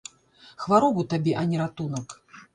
Хваробу табе, а не ратунак.